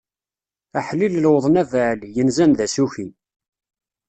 Aḥlil lewḍen abaɛli, yenzan d asuki!